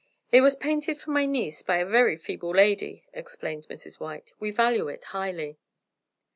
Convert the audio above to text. "It was painted for my niece by a very feeble lady," explained Mrs. White. "We value it highly."